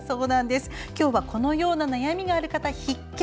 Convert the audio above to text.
今日は、このような悩みがある方必見。